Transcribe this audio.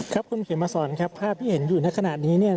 ครับคุณเขียนมาสอนครับภาพที่เห็นอยู่ในขณะนี้